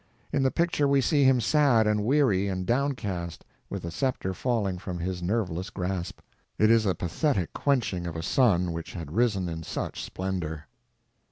In the picture we see him sad and weary and downcast, with the scepter falling from his nerveless grasp. It is a pathetic quenching of a sun which had risen in such splendor.